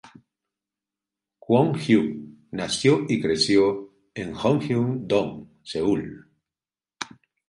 Kwon Hyuk nació y creció en Hongeun-dong, Seúl.